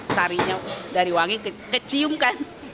sarinya dari wangi keciumkan